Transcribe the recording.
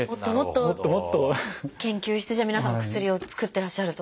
もっともっと研究してじゃあ皆さんもお薬を作ってらっしゃると。